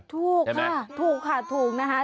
ถูกค่ะถูกค่ะถูกนะคะ